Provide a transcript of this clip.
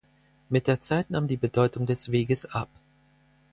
Mit der Zeit nahm die Bedeutung des Weges ab.